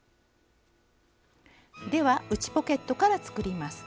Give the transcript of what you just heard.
では内ポケットから作ります。